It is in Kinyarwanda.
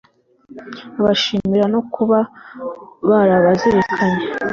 babashimira no kuba barabazirikanye